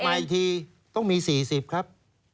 ออกมา๑ทีต้องมี๔๐ครับ